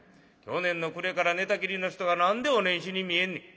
去年の暮れから寝たきりの人が何でお年始に見えんねん」。